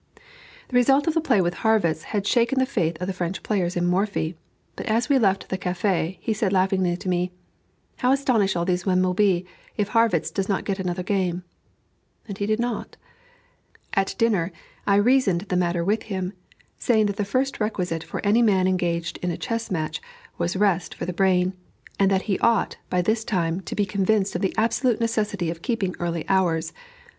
The result of the play with Harrwitz had shaken the faith of the French players in Morphy. But as we left the café, he said laughingly to me, "How astonished all these men will be if Harrwitz does not get another game." And he did not. At dinner, I reasoned the matter with him, saying that the first requisite for any man engaged in a chess match, was rest for the brain; and that he ought, by this time, to be convinced of the absolute necessity of keeping early hours.